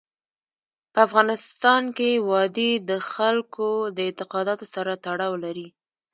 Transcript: په افغانستان کې وادي د خلکو د اعتقاداتو سره تړاو لري.